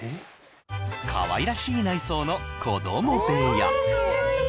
かわいらしい内装の子ども部屋